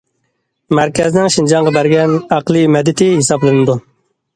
مەركەزنىڭ شىنجاڭغا بەرگەن ئەقلىي مەدىتى ھېسابلىنىدۇ.